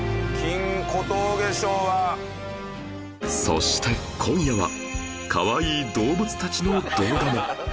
そして今夜は可愛い動物たちの動画も